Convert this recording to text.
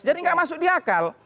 jadi enggak masuk di akal